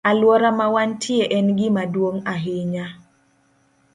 Alwora ma wantie en gima duong' ahinya.